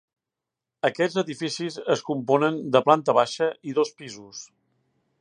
Aquests edificis es componen de planta baixa i dos pisos.